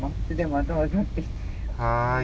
はい。